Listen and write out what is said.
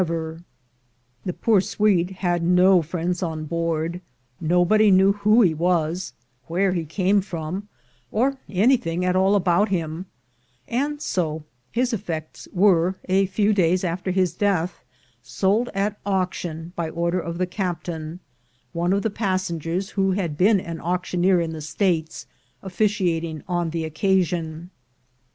48 THE GOLD HUNTERS The poor Swede had no friends on board; nobody knew who he was, where he came from, or anything at all about him; and so his effects were, a few days after his death, sold at auction by order of the captain, one of the passengers, who had been an auctioneer in the States, officiating on the occasion.